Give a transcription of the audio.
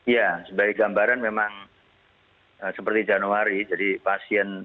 ya sebagai gambaran memang seperti januari